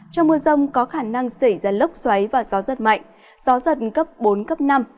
trong mưa rông có khả năng xảy ra lốc xoáy và gió rất mạnh gió giật cấp bốn cấp năm